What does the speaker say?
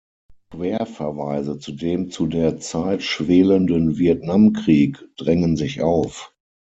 Querverweise zu dem zu der Zeit schwelenden Vietnamkrieg drängen sich auf.